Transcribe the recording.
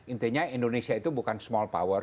intinya indonesia itu bukan small power